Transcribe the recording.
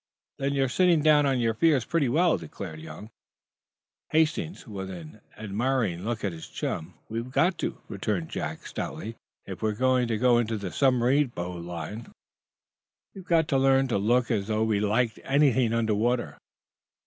"Then you're sitting down on your fears pretty well," declared young Hastings, with an admiring look at his chum. "We've got to," returned Jack, stoutly. "If we're to go into the submarine boat line we've got to learn to look as though we liked anything under water."